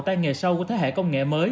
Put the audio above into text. tăng nghề sâu của thế hệ công nghệ mới